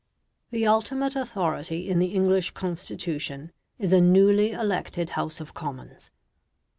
The ultimate authority in the English Constitution is a newly elected House of Commons.